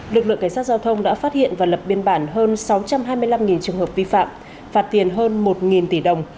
lực lượng cảnh sát giao thông đã phát hiện và lập biên bản hơn sáu trăm hai mươi năm trường hợp vi phạm phạt tiền hơn một tỷ đồng